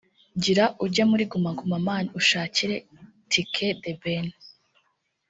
gira ujye muri Guma Guma man ushakire tike The Ben